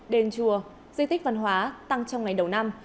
đền chùa di tích văn hóa tăng trong ngày đầu năm